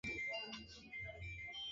এসব কেন করছেন?